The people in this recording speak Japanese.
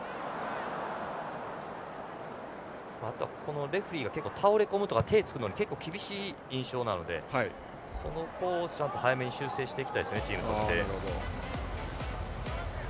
このレフェリーが倒れ込むとか手をつくのに結構厳しい印象なのでそういったところ早めに修正していきたいですチームとして。